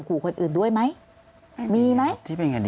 ก็คลิปออกมาแบบนี้เลยว่ามีอาวุธปืนแน่นอน